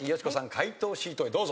解答シートへどうぞ。